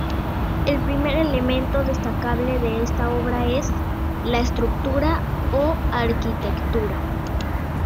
El primer elemento destacable de esta obra es, la estructura o arquitectura.